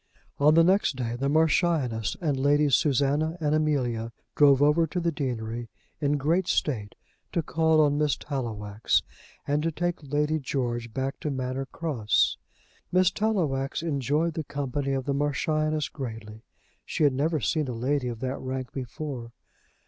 On the next day the Marchioness and Ladies Susannah and Amelia drove over to the deanery in great state, to call on Miss Tallowax, and to take Lady George back to Manor Cross. Miss Tallowax enjoyed the company of the Marchioness greatly. She had never seen a lady of that rank before.